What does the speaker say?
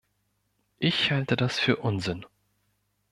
Ich halte das für Unsinn.